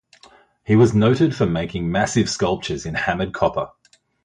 He was noted for making massive sculptures in hammered copper.